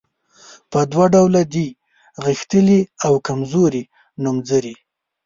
په دوه ډوله دي غښتلي او کمزوري نومځري.